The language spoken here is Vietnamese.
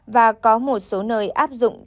và có một số nơi áp dụng